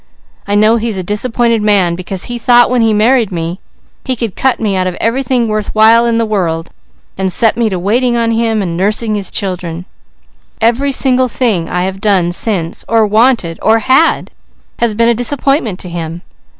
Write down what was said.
I know he's a disappointed man, because he thought when he married me he could cut me out of everything worth while in the world, and set me to waiting on him, and nursing his children. Every single thing I have done since, or wanted or had, has been a disappointment to him.